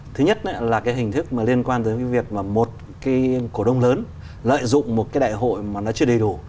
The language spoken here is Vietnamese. thứ nhất là cái hình thức mà liên quan tới cái việc mà một cái cổ đông lớn lợi dụng một cái đại hội mà nó chưa đầy đủ